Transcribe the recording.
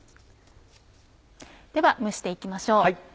では蒸して行きましょう。